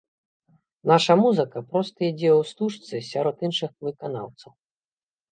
Наша музыка проста ідзе ў стужцы сярод іншых выканаўцаў.